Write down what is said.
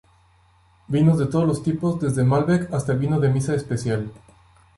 Vinos de todos los tipos desde malbec hasta el vino de misa especial.